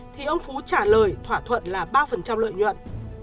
thì ông phú trả lời thỏa thuận là ba lợi nhuận